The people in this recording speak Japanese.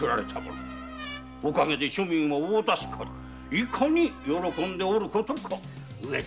おかげで庶民は大助かりいかに喜んでおることか。